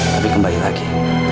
tapi kembali lagi